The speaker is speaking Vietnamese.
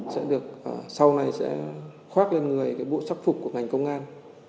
sẽ được sau này sẽ khoác lên người cái bộ sắc phục của ngành công an